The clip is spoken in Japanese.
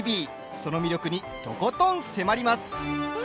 その魅力にとことん迫ります。